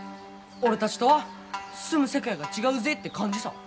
俺たちとは住む世界が違うぜって感じさ。